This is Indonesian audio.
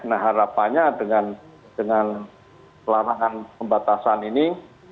nah harapannya dengan larangan pembatasan ini